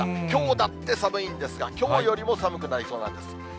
きょうだって寒いんですが、きょうよりも寒くなりそうなんです。